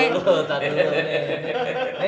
tidak perlu tak perlu